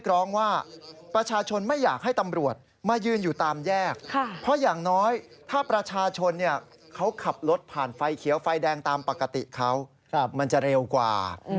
เขาขับรถผ่านไฟเขียวไฟแดงตามปกติเขามันจะเร็วกว่า